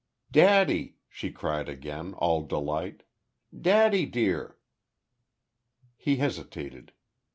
"Daddy!" she cried, again, all delight. "Daddy, dear!" He hesitated....